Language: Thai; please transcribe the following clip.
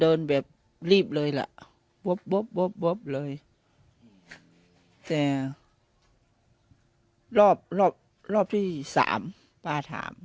เดินเดินแบบรีบเลยล่ะบบบบบบเลยแต่รอบรอบรอบที่สามป้าถาม